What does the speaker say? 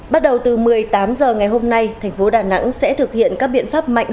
bắt đầu từ một mươi tám h ngày hôm nay thành phố đà nẵng sẽ thực hiện các biện pháp mạnh